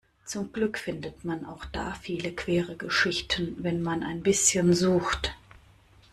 Zum Glück findet man auch da viele queere Geschichten, wenn man ein bisschen sucht.